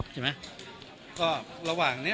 เชี่ยวไหม